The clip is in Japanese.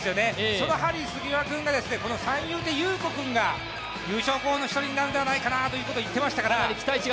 そのハリー杉山君が、三遊亭遊子君が優勝候補の１人になるんじゃないかと言ってましたから。